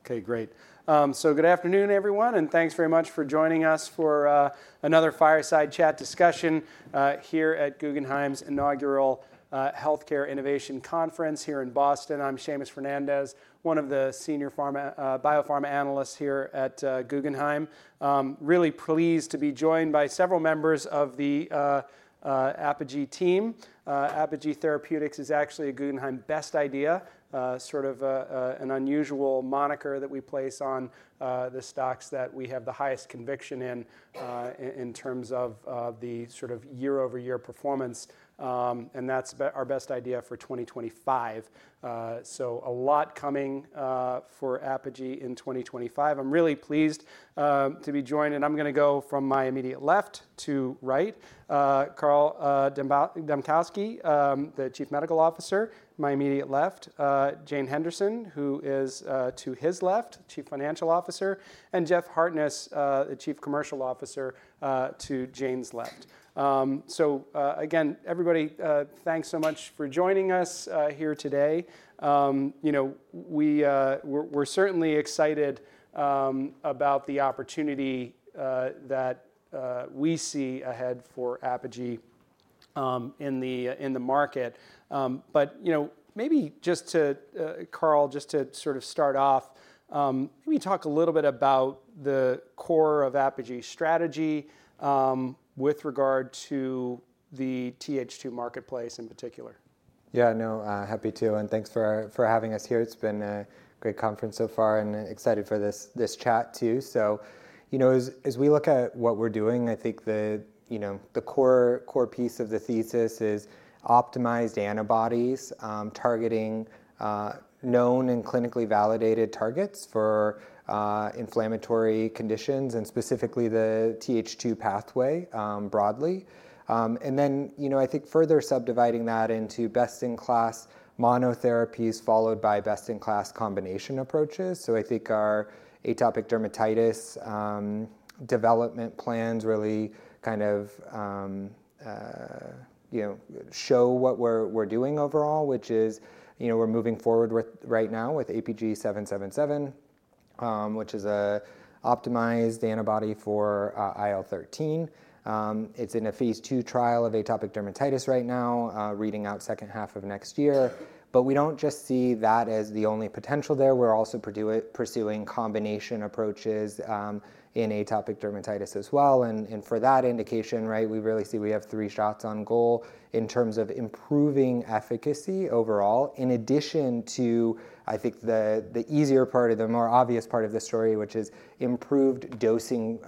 Okay, great. So good afternoon, everyone, and thanks very much for joining us for another fireside chat discussion here at Guggenheim's inaugural Healthcare Innovation Conference here in Boston. I'm Seamus Fernandez, one of the senior biopharma analysts here at Guggenheim. Really pleased to be joined by several members of the Apogee team. Apogee Therapeutics is actually a Guggenheim Best Idea, sort of an unusual moniker that we place on the stocks that we have the highest conviction in in terms of the sort of year-over-year performance. And that's our Best Idea for 2025. So a lot coming for Apogee in 2025. I'm really pleased to be joined, and I'm going to go from my immediate left to right. Carl Dambkowski, the Chief Medical Officer, my immediate left. Jane Henderson, who is to his left, Chief Financial Officer. And Jeff Hartness, the Chief Commercial Officer, to Jane's left. So again, everybody, thanks so much for joining us here today. We're certainly excited about the opportunity that we see ahead for Apogee in the market. But maybe just to, Carl, just to sort of start off, maybe talk a little bit about the core of Apogee's strategy with regard to the TH2 marketplace in particular. Yeah, no, happy to. And thanks for having us here. It's been a great conference so far and excited for this chat too. So as we look at what we're doing, I think the core piece of the thesis is optimized antibodies targeting known and clinically validated targets for inflammatory conditions and specifically the TH2 pathway broadly. And then I think further subdividing that into best-in-class monotherapies followed by best-in-class combination approaches. So I think our atopic dermatitis development plans really kind of show what we're doing overall, which is we're moving forward right now with APG777, which is an optimized antibody for IL-13. It's in a phase II trial of atopic dermatitis right now, reading out second half of next year. But we don't just see that as the only potential there. We're also pursuing combination approaches in atopic dermatitis as well. And for that indication, we really see we have three shots on goal in terms of improving efficacy overall, in addition to, I think, the easier part or the more obvious part of the story, which is improved dosing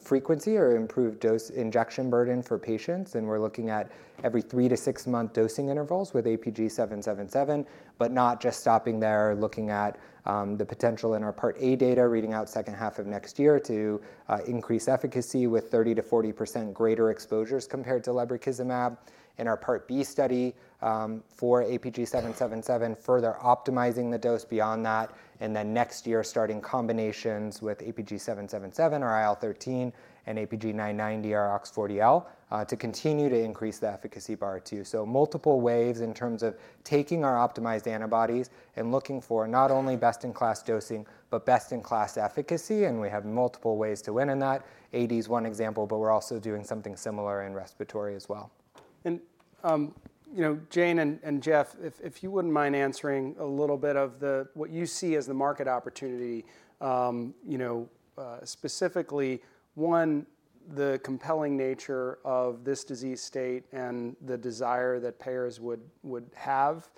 frequency or improved dose injection burden for patients. And we're looking at every 3-month to 6-month dosing intervals with APG777, but not just stopping there, looking at the potential in our Part A data, reading out second half of next year to increase efficacy with 30%-40% greater exposures compared to lebrikizumab. In our Part B study for APG777, further optimizing the dose beyond that. And then next year, starting combinations with APG777 or IL-13 and APG990 or OX40L to continue to increase the efficacy bar too. So multiple ways in terms of taking our optimized antibodies and looking for not only best-in-class dosing, but best-in-class efficacy. We have multiple ways to win in that. AD is one example, but we're also doing something similar in respiratory as well. Jane and Jeff, if you wouldn't mind answering a little bit of what you see as the market opportunity, specifically, one, the compelling nature of this disease state and the desire that payers would have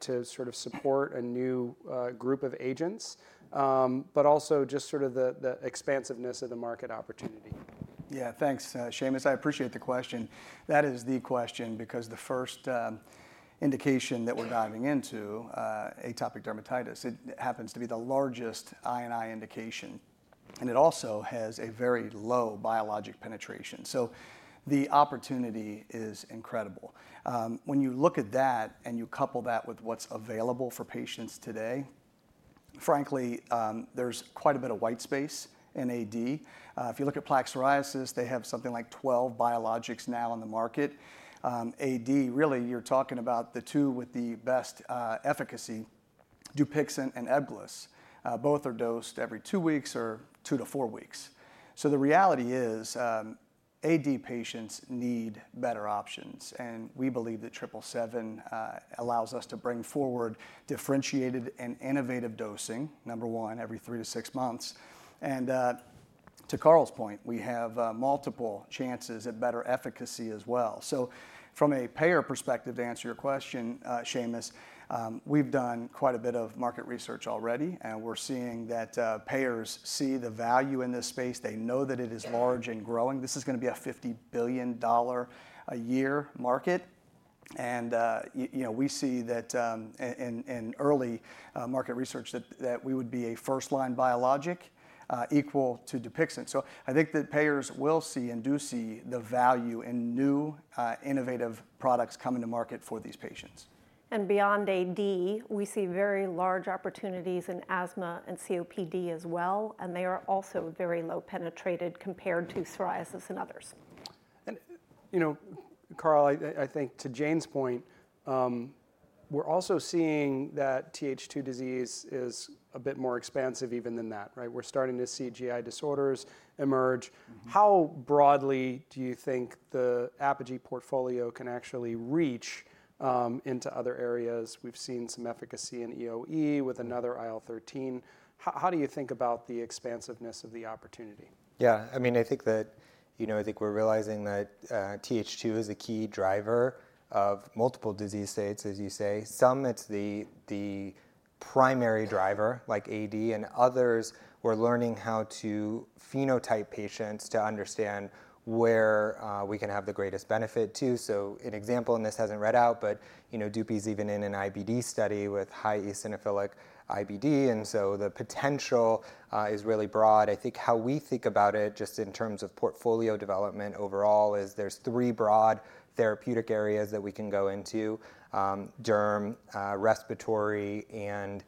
to sort of support a new group of agents, but also just sort of the expansiveness of the market opportunity. Yeah, thanks, Seamus. I appreciate the question. That is the question because the first indication that we're diving into, atopic dermatitis, it happens to be the largest I&I indication, and it also has a very low biologic penetration, so the opportunity is incredible. When you look at that and you couple that with what's available for patients today, frankly, there's quite a bit of white space in AD. If you look at plaque psoriasis, they have something like 12 biologics now on the market. AD, really, you're talking about the two with the best efficacy, Dupixent and Ebglyss. Both are dosed every two weeks or two to four weeks, so the reality is AD patients need better options. And we believe that Triple Seven allows us to bring forward differentiated and innovative dosing, number one, every three to six months. To Carl's point, we have multiple chances at better efficacy as well. So from a payer perspective, to answer your question, Seamus, we've done quite a bit of market research already. We're seeing that payers see the value in this space. They know that it is large and growing. This is going to be a $50 billion a year market. We see that in early market research that we would be a first-line biologic equal to Dupixent. So I think that payers will see and do see the value in new innovative products coming to market for these patients. Beyond AD, we see very large opportunities in asthma and COPD as well. They are also very low penetrated compared to psoriasis and others. And Carl, I think to Jane's point, we're also seeing that TH2 disease is a bit more expansive even than that. We're starting to see GI disorders emerge. How broadly do you think the Apogee portfolio can actually reach into other areas? We've seen some efficacy in EoE with another IL-13. How do you think about the expansiveness of the opportunity? Yeah, I mean, I think we're realizing that TH2 is a key driver of multiple disease states, as you say. Some, it's the primary driver, like AD. And others, we're learning how to phenotype patients to understand where we can have the greatest benefit too. So an example, and this hasn't read out, but Dupi's even in an IBD study with high eosinophilic IBD. And so the potential is really broad. I think how we think about it just in terms of portfolio development overall is there's three broad therapeutic areas that we can go into: derm, respiratory, and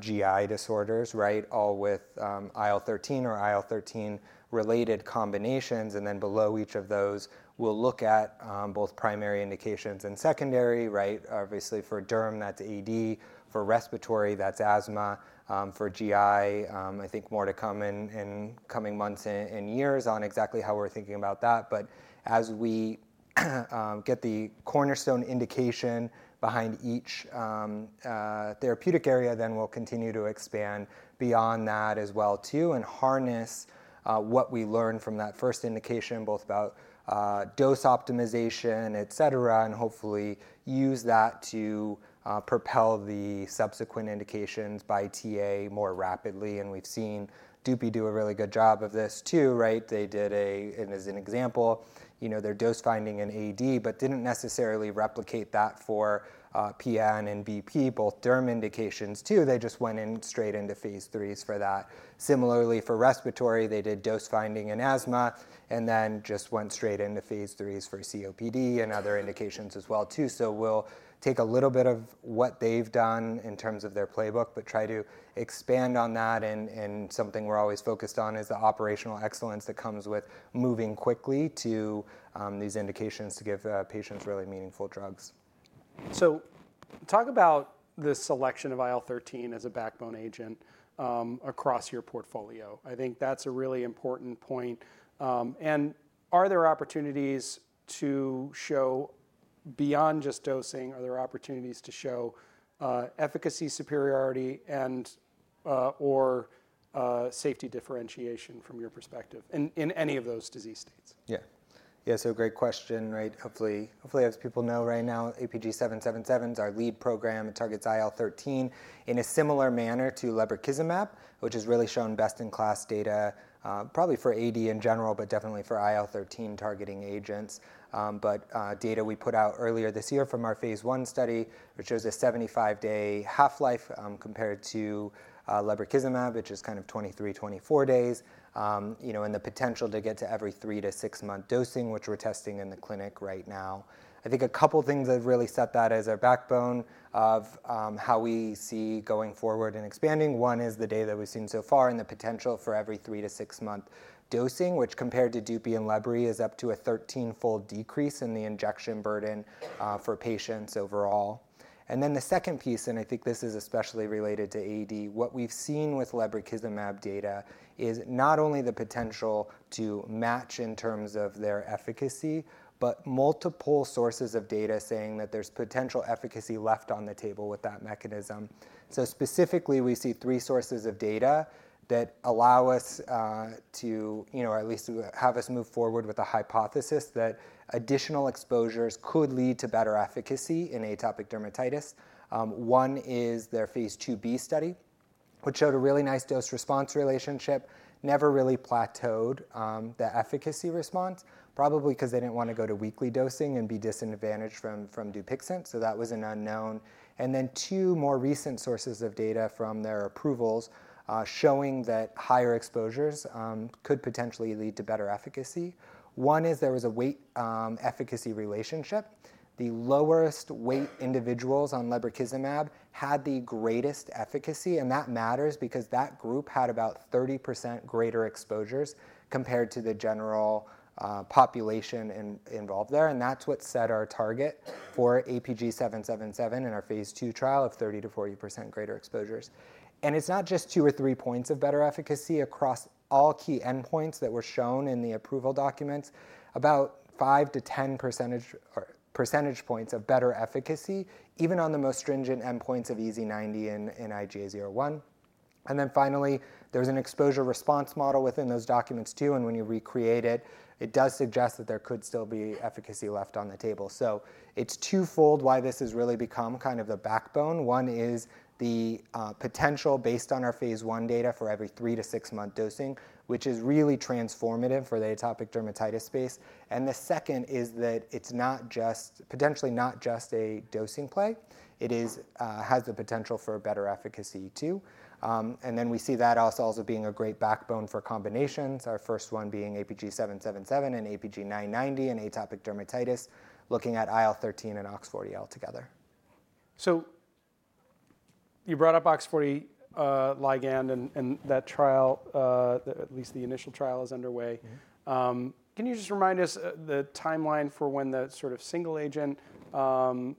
GI disorders, all with IL-13 or IL-13 related combinations. And then below each of those, we'll look at both primary indications and secondary. Obviously, for derm, that's AD. For respiratory, that's asthma. For GI, I think more to come in coming months and years on exactly how we're thinking about that. But as we get the cornerstone indication behind each therapeutic area, then we'll continue to expand beyond that as well too and harness what we learn from that first indication, both about dose optimization, et cetera, and hopefully use that to propel the subsequent indications by TA more rapidly. And we've seen Dupi do a really good job of this too. They did an example, their dose finding in AD, but didn't necessarily replicate that for PN and BP, both derm indications too. They just went straight into phase IIIs for that. Similarly, for respiratory, they did dose finding in asthma and then just went straight into phase IIIs for COPD and other indications as well too. So we'll take a little bit of what they've done in terms of their playbook, but try to expand on that. And something we're always focused on is the operational excellence that comes with moving quickly to these indications to give patients really meaningful drugs. So, talk about the selection of IL-13 as a backbone agent across your portfolio. I think that's a really important point. And are there opportunities to show beyond just dosing? Are there opportunities to show efficacy superiority and/or safety differentiation from your perspective in any of those disease states? Yeah. Yeah, so great question. Hopefully, as people know right now, APG777 is our lead program. It targets IL-13 in a similar manner to lebrikizumab, which has really shown best-in-class data probably for AD in general, but definitely for IL-13 targeting agents, but data we put out earlier this year from our phase I study, which shows a 75-day half-life compared to lebrikizumab, which is kind of 23-24 days, and the potential to get to every 3-month to 6-month dosing, which we're testing in the clinic right now. I think a couple of things that really set that as our backbone of how we see going forward and expanding. One is the data that we've seen so far and the potential for every 3-month to 6-month dosing, which compared to Dupi and Lebri, is up to a 13-fold decrease in the injection burden for patients overall. And then the second piece, and I think this is especially related to AD. What we've seen with lebrikizumab data is not only the potential to match in terms of their efficacy, but multiple sources of data saying that there's potential efficacy left on the table with that mechanism. So specifically, we see three sources of data that allow us to, or at least have us move forward with a hypothesis that additional exposures could lead to better efficacy in atopic dermatitis. One is their phase IIb study, which showed a really nice dose-response relationship, never really plateaued that efficacy response, probably because they didn't want to go to weekly dosing and be disadvantaged from Dupixent. So that was an unknown. And then two more recent sources of data from their approvals showing that higher exposures could potentially lead to better efficacy. One is there was a weight efficacy relationship. The lowest weight individuals on lebrikizumab had the greatest efficacy. And that matters because that group had about 30% greater exposures compared to the general population involved there. And that's what set our target for APG777 in our phase II trial of 30%-40% greater exposures. And it's not just two or three points of better efficacy across all key endpoints that were shown in the approval documents, about 5-10 percentage points of better efficacy, even on the most stringent endpoints of EASI-90 and IGA 0/1. And then finally, there's an exposure response model within those documents too. And when you recreate it, it does suggest that there could still be efficacy left on the table. So it's twofold why this has really become kind of the backbone. One is the potential based on our phase I data for every 3-month to 6-month dosing, which is really transformative for the atopic dermatitis space. And the second is that it's potentially not just a dosing play. It has the potential for better efficacy too. And then we see that also being a great backbone for combinations, our first one being APG777 and APG990 in atopic dermatitis, looking at IL-13 and OX40L together. You brought up OX40L and that trial, at least the initial trial is underway. Can you just remind us the timeline for when the sort of single agent, maybe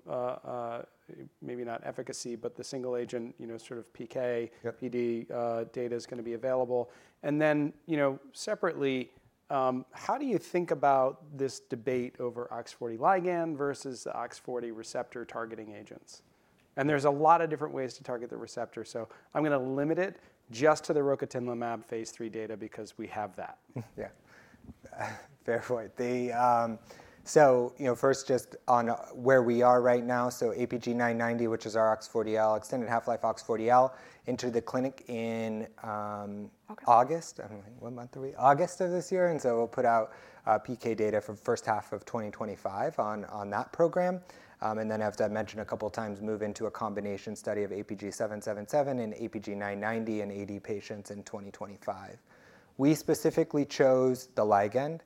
not efficacy, but the single agent sort of PK, PD data is going to be available? And then separately, how do you think about this debate over OX40L versus the OX40 receptor targeting agents? And there's a lot of different ways to target the receptor. I'm going to limit it just to the rocatinlimab phase III data because we have that. Yeah. Fair point. So first, just on where we are right now, so APG990, which is our OX40L, extended half-life OX40L into the clinic in August, one month away, August of this year. And so we'll put out PK data for the first half of 2025 on that program. And then, as I mentioned a couple of times, move into a combination study of APG777 and APG990 in AD patients in 2025. We specifically chose the ligand.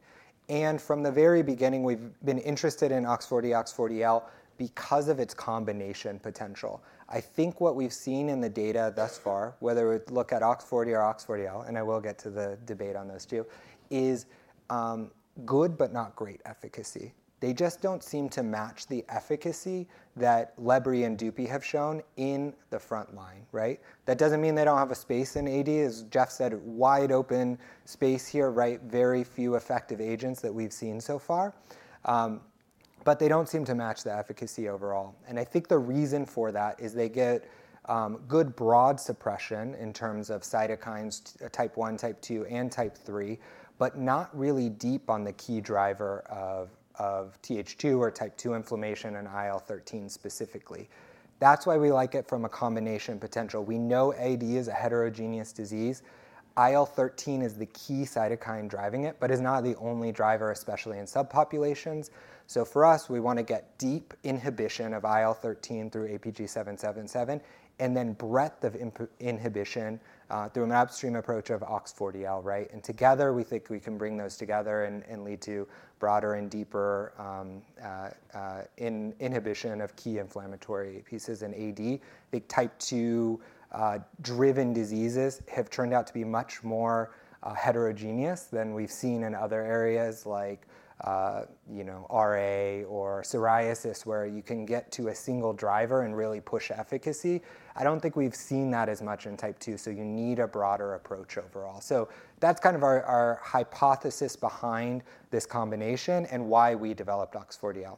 And from the very beginning, we've been interested in OX40, OX40L because of its combination potential. I think what we've seen in the data thus far, whether we look at OX40 or OX40L, and I will get to the debate on those too, is good, but not great efficacy. They just don't seem to match the efficacy that Lebri and Dupi have shown in the front line. That doesn't mean they don't have a space in AD. As Jeff said, wide open space here, very few effective agents that we've seen so far. But they don't seem to match the efficacy overall. And I think the reason for that is they get good broad suppression in terms of cytokines, type 1, type 2, and type 3, but not really deep on the key driver of TH2 or type 2 inflammation and IL-13 specifically. That's why we like it from a combination potential. We know AD is a heterogeneous disease. IL-13 is the key cytokine driving it, but is not the only driver, especially in subpopulations. So for us, we want to get deep inhibition of IL-13 through APG777 and then breadth of inhibition through an upstream approach of OX40L. And together, we think we can bring those together and lead to broader and deeper inhibition of key inflammatory pieces in AD. I think type 2-driven diseases have turned out to be much more heterogeneous than we've seen in other areas like RA or psoriasis, where you can get to a single driver and really push efficacy. I don't think we've seen that as much in type 2. So you need a broader approach overall. So that's kind of our hypothesis behind this combination and why we developed OX40L.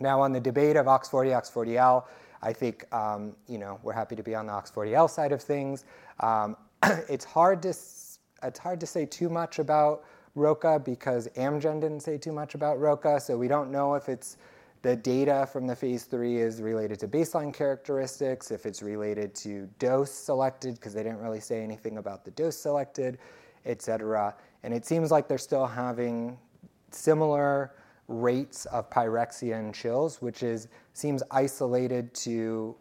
Now, on the debate of OX40, OX40L, I think we're happy to be on the OX40L side of things. It's hard to say too much about rocatinlimab because Amgen didn't say too much about rocatinlimab. We don't know if the data from the phase III is related to baseline characteristics, if it's related to dose selected because they didn't really say anything about the dose selected, et cetera. It seems like they're still having similar rates of pyrexia and chills, which seems isolated to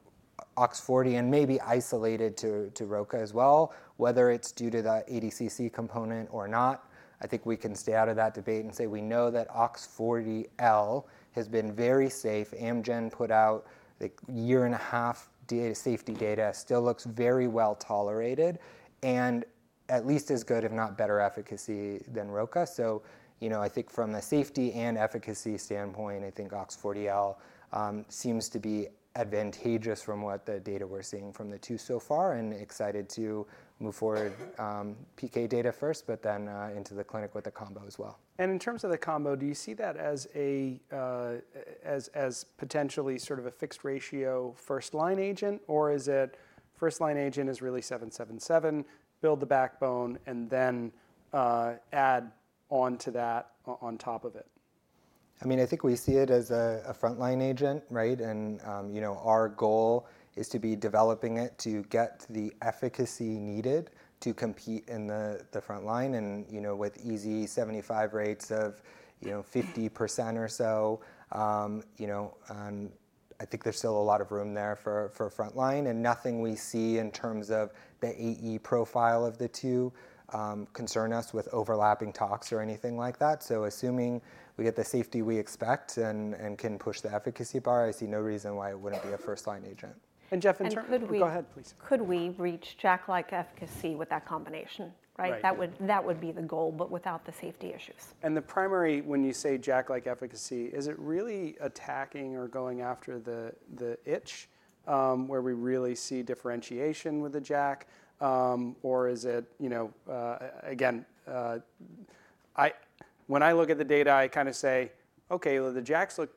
OX40 and maybe isolated to rocatinlimab as well, whether it's due to the ADCC component or not. I think we can stay out of that debate and say we know that OX40L has been very safe. Amgen put out a year and a half safety data, still looks very well tolerated and at least as good, if not better efficacy than rocatinlimab. So I think from the safety and efficacy standpoint, I think OX40L seems to be advantageous from what the data we're seeing from the two so far and excited to move forward PK data first, but then into the clinic with the combo as well. And in terms of the combo, do you see that as potentially sort of a fixed ratio first-line agent, or is it first-line agent is really 777, build the backbone, and then add on to that on top of it? I mean, I think we see it as a front-line agent. And our goal is to be developing it to get the efficacy needed to compete in the front line and with EASI-75 rates of 50% or so. I think there's still a lot of room there for front line. And nothing we see in terms of the AE profile of the two concern us with overlapping talks or anything like that. So assuming we get the safety we expect and can push the efficacy bar, I see no reason why it wouldn't be a first-line agent. Jeff, in terms of. Could we? Go ahead, please. Could we reach JAK-like efficacy with that combination? That would be the goal, but without the safety issues. The primary, when you say JAK-like efficacy, is it really attacking or going after the itch where we really see differentiation with the JAK? Or is it, again, when I look at the data, I kind of say, "Okay, the JAKs look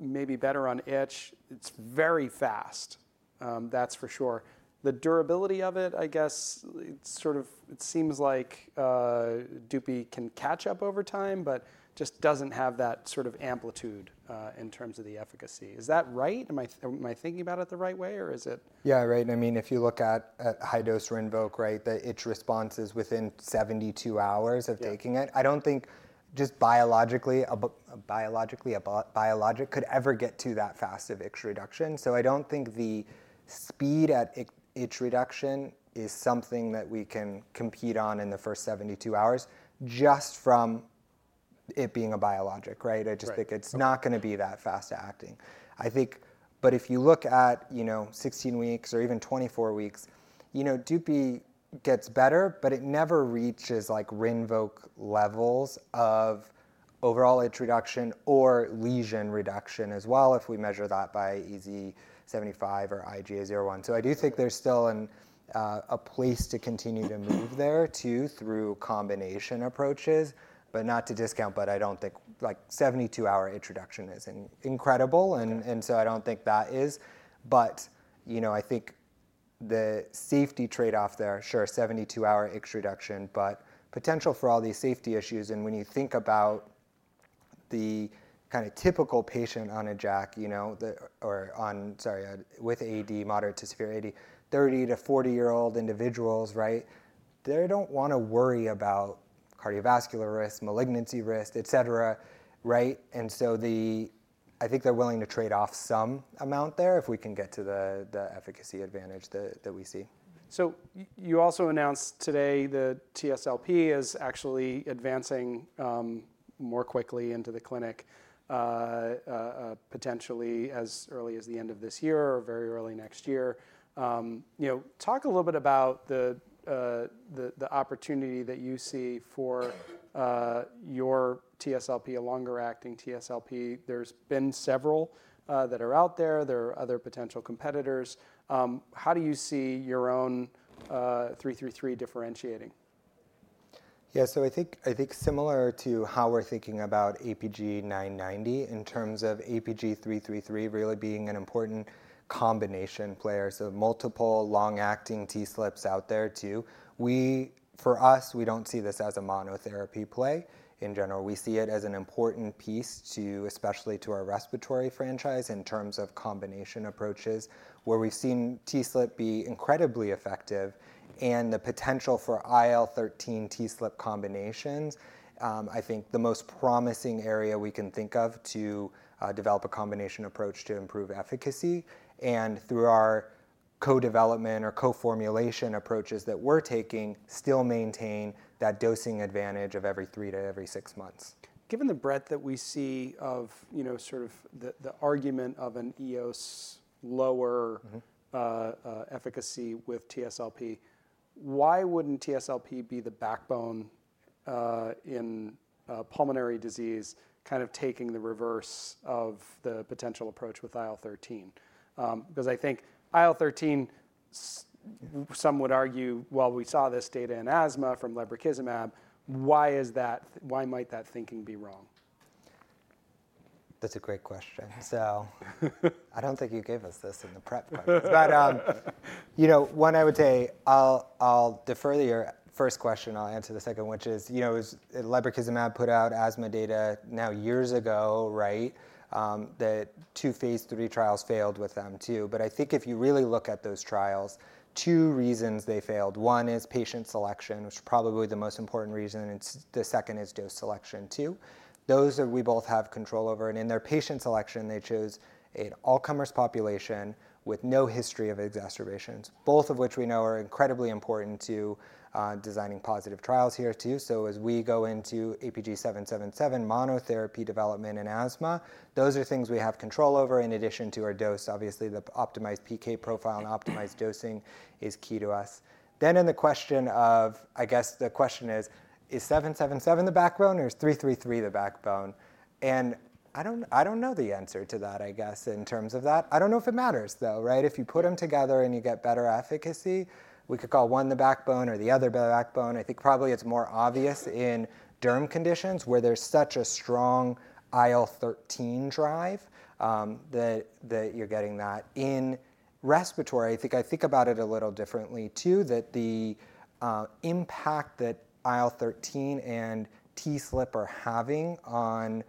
maybe better on itch." It's very fast, that's for sure. The durability of it, I guess, it seems like Dupi can catch up over time, but just doesn't have that sort of amplitude in terms of the efficacy. Is that right? Am I thinking about it the right way, or is it? Yeah, right. I mean, if you look at high-dose Rinvoq, the itch response is within 72 hours of taking it. I don't think just biologically a biologic could ever get to that fast of itch reduction. So I don't think the speed at itch reduction is something that we can compete on in the first 72 hours just from it being a biologic. I just think it's not going to be that fast acting. But if you look at 16 weeks or even 24 weeks, Dupi gets better, but it never reaches Rinvoq levels of overall itch reduction or lesion reduction as well if we measure that by EASI-75 or IGA 0/1. So I do think there's still a place to continue to move there too through combination approaches, but not to discount, but I don't think 72-hour itch reduction is incredible. And so I don't think that is. But I think the safety trade-off there, sure, 72-hour itch reduction, but potential for all these safety issues. And when you think about the kind of typical patient on a JAK or with AD, moderate to severe AD, 30-40-year-old individuals, they don't want to worry about cardiovascular risk, malignancy risk, et cetera. And so I think they're willing to trade off some amount there if we can get to the efficacy advantage that we see. So you also announced today the TSLP is actually advancing more quickly into the clinic potentially as early as the end of this year or very early next year. Talk a little bit about the opportunity that you see for your TSLP, a longer-acting TSLP. There's been several that are out there. There are other potential competitors. How do you see your own 333 differentiating? Yeah, so I think similar to how we're thinking about APG990 in terms of APG333 really being an important combination player. So multiple long-acting TSLPs out there too. For us, we don't see this as a monotherapy play in general. We see it as an important piece, especially to our respiratory franchise in terms of combination approaches where we've seen TSLP be incredibly effective. And the potential for IL-13 TSLP combinations, I think the most promising area we can think of to develop a combination approach to improve efficacy and through our co-development or co-formulation approaches that we're taking still maintain that dosing advantage of every three to every six months. Given the breadth that we see of sort of the argument of an EOS lower efficacy with TSLP, why wouldn't TSLP be the backbone in pulmonary disease kind of taking the reverse of the potential approach with IL-13? Because I think IL-13, some would argue, well, we saw this data in asthma from lebrikizumab. Why might that thinking be wrong? That's a great question. So I don't think you gave us this in the prep questions, but one I would say, I'll defer to your first question. I'll answer the second, which is, you know, is lebrikizumab put out asthma data now years ago, right? The two phase III trials failed with them too, but I think if you really look at those trials, two reasons they failed. One is patient selection, which is probably the most important reason. The second is dose selection too. Those we both have control over, and in their patient selection, they chose an all-comers population with no history of exacerbations, both of which we know are incredibly important to designing positive trials here too, so as we go into APG777 monotherapy development in asthma, those are things we have control over in addition to our dose. Obviously, the optimized PK profile and optimized dosing is key to us. Then in the question of, I guess the question is, is 777 the backbone or is 333 the backbone? And I don't know the answer to that, I guess, in terms of that. I don't know if it matters though, right? If you put them together and you get better efficacy, we could call one the backbone or the other the backbone. I think probably it's more obvious in derm conditions where there's such a strong IL-13 drive that you're getting that. In respiratory, I think about it a little differently too, that the impact that IL-13 and TSLP are having on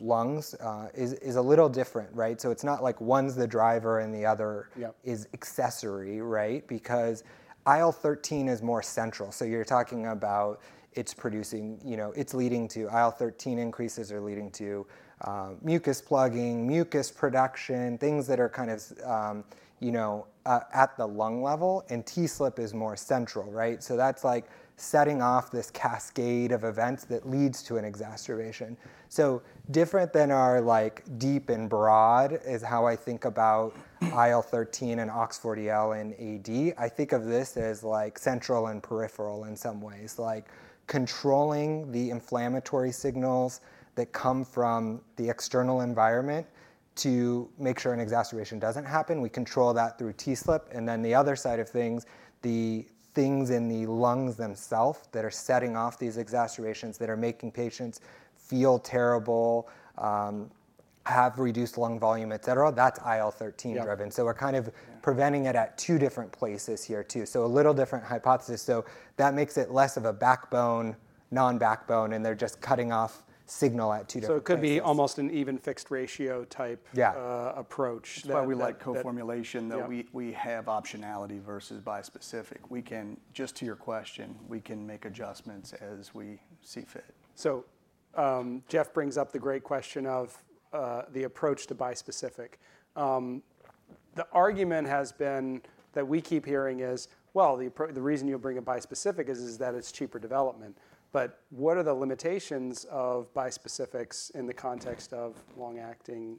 lungs is a little different. So it's not like one's the driver and the other is accessory, right? Because IL-13 is more central. So you're talking about it's leading to IL-13 increases are leading to mucus plugging, mucus production, things that are kind of at the lung level. And TSLP is more central, right? So that's like setting off this cascade of events that leads to an exacerbation. So different than our deep and broad is how I think about IL-13 and OX40L in AD. I think of this as central and peripheral in some ways, like controlling the inflammatory signals that come from the external environment to make sure an exacerbation doesn't happen. We control that through TSLP. And then the other side of things, the things in the lungs themselves that are setting off these exacerbations that are making patients feel terrible, have reduced lung volume, et cetera, that's IL-13 driven. So we're kind of preventing it at two different places here too. So a little different hypothesis. So that makes it less of a backbone, non-backbone, and they're just cutting off signal at two different places. It could be almost an even fixed ratio type approach. Yeah. That's why we like co-formulation, that we have optionality versus bispecific. Just to your question, we can make adjustments as we see fit. So Jeff brings up the great question of the approach to bispecific. The argument has been that we keep hearing is, well, the reason you'll bring a bispecific is that it's cheaper development. But what are the limitations of bispecifics in the context of long-acting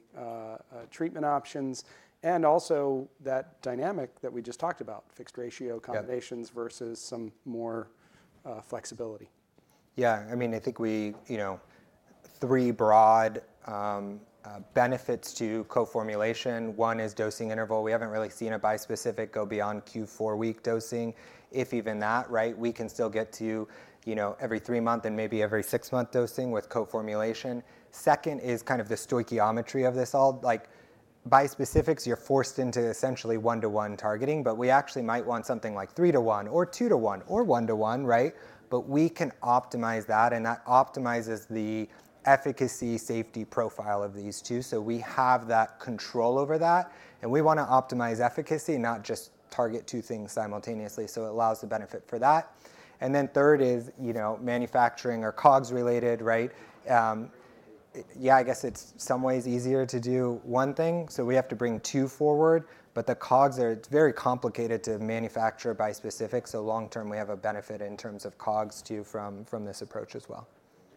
treatment options and also that dynamic that we just talked about, fixed ratio combinations versus some more flexibility? Yeah. I mean, I think three broad benefits to co-formulation. One is dosing interval. We haven't really seen a bispecific go beyond Q4 week dosing. If even that, right, we can still get to every three-month and maybe every six-month dosing with co-formulation. Second is kind of the stoichiometry of this all. Bispecifics, you're forced into essentially one-to-one targeting, but we actually might want something like 3:1 or 2:1 or 1:1, right? But we can optimize that, and that optimizes the efficacy safety profile of these two. So we have that control over that, and we want to optimize efficacy and not just target two things simultaneously. So it allows the benefit for that. And then third is manufacturing or COGS-related, right? Yeah, I guess it's in some ways easier to do one thing. So we have to bring two forward, but the COGS are very complicated to manufacture bispecific. So long term, we have a benefit in terms of COGS too from this approach as well.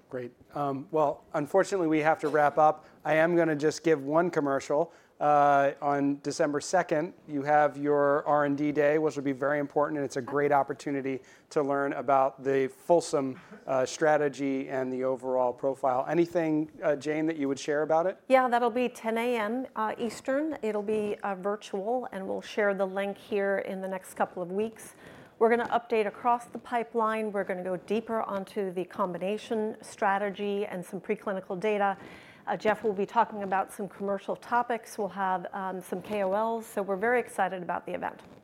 Great. Well, unfortunately, we have to wrap up. I am going to just give one commercial. On December 2nd, you have your R&D Day, which will be very important, and it's a great opportunity to learn about the fulsome strategy and the overall profile. Anything, Jane, that you would share about it? Yeah, that'll be 10:00 A.M. Eastern. It'll be virtual, and we'll share the link here in the next couple of weeks. We're going to update across the pipeline. We're going to go deeper onto the combination strategy and some preclinical data. Jeff will be talking about some commercial topics. We'll have some KOLs, so we're very excited about the event.